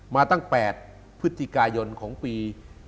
มาตั้ง๘พฤศจิกายนของปี